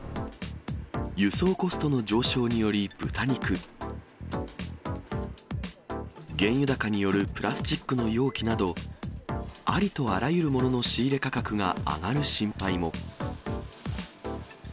輸送コストの上昇により、豚肉、原油高によるプラスチックの容器など、ありとあらゆるものの仕入れ価格が上がる心配も。